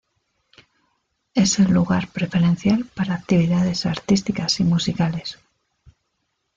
Es el lugar preferencial para actividades artísticas y musicales.